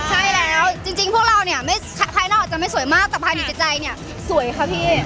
ใช่แล้วจริงพวกเราเนี่ยภายนอกจะไม่สวยมากแต่ภายในใจเนี่ยสวยค่ะพี่